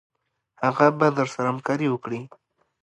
هغه به درسره همکاري وکړي.